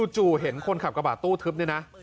เห็นคนขับกระบาดตู้ทึบเนี่ยนะ